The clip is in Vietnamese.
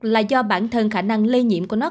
là do bản thân khả năng lây nhiễm của nó